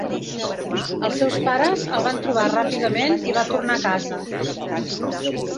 Els seus pares el van trobar ràpidament i va tornar a casa.